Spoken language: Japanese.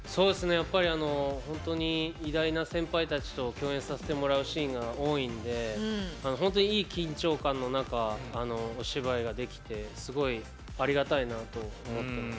本当に偉大な先輩たちと共演させてもらうシーンが多いんで本当にいい緊張感の中お芝居ができてすごいありがたいなと思っています。